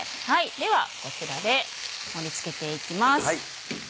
ではこちらで盛り付けていきます。